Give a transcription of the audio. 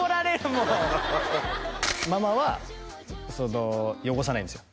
もうママは汚さないんですよ